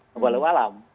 kembali ke alam